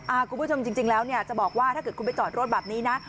คุณผู้ชมจริงแล้วเนี่ยจะบอกว่าถ้าเกิดคุณไปจอดรถแบบนี้นะ